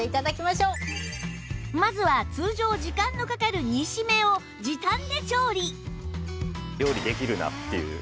まずは通常時間のかかる煮しめを時短で調理！